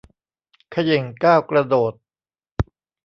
เขย่งก้าวกระโดด